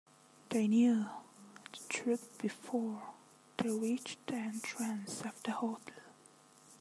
They knew the truth before they reached the entrance of the hotel.